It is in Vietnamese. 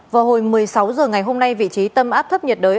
vào hồi một mươi sáu h ngày hôm nay vị trí tâm áp thấp nhiệt đới